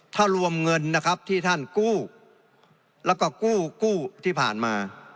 ถ้ารวมเงินนะครับที่ท่านกู้แล้วก็กู้กู้ที่ผ่านมา